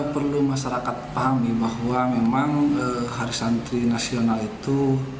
perlu masyarakat pahami bahwa memang hari santri nasional itu